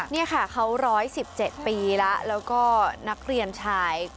นี่ค่ะเขา๑๑๗ปีแล้วแล้วก็นักเรียนชาย